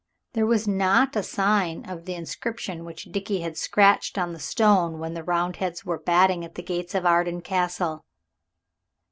there was not a sign of the inscription which Dickie had scratched on the stone when the Roundheads were battering at the gates of Arden Castle.